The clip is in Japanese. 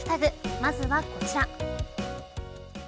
まずはこちら。